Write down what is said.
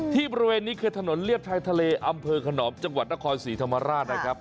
บริเวณนี้คือถนนเรียบชายทะเลอำเภอขนอมจังหวัดนครศรีธรรมราชนะครับ